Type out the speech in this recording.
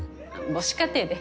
母子家庭で。